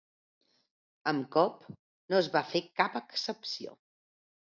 Amb Cobb no es va fer cap excepció.